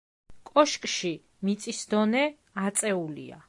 კოშკში მიწის დონე აწეულია.